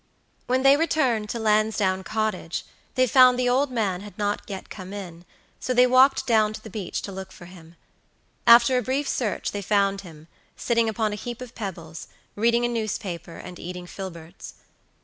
When they returned to Lansdowne Cottage they found the old man had not yet come in, so they walked down to the beach to look for him. After a brief search they found him, sitting upon a heap of pebbles, reading a newspaper and eating filberts.